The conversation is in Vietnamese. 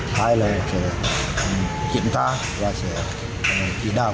hai là kiểm tra và chỉ đào